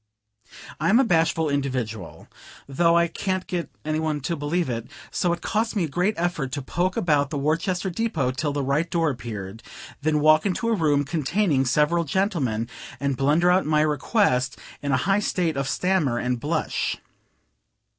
I'm a bashful individual, though I can't get any one to believe it; so it cost me a great effort to poke about the Worcester depot till the right door appeared, then walk into a room containing several gentlemen, and blunder out my request in a high state of stammer and blush.